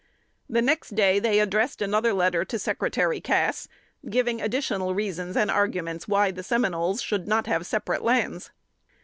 The next day they addressed another letter to Secretary Cass, giving additional reasons and arguments why the Seminoles should not have separate lands.